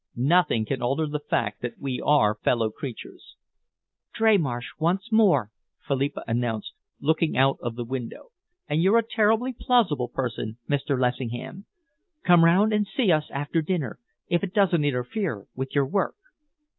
Nothing can alter the fact that we are fellow creatures." "Dreymarsh once more," Philippa announced, looking out of the window. "And you're a terribly plausible person, Mr. Lessingham. Come round and see us after dinner if it doesn't interfere with your work."